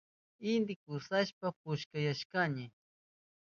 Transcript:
Inti kusawashpan pukayashkani.